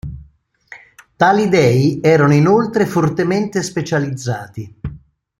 Tali dei erano inoltre fortemente specializzati.